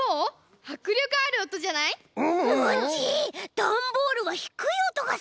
ダンボールはひくいおとがするのか！